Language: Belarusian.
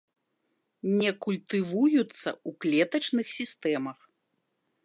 Не культывуюцца ў клетачных сістэмах.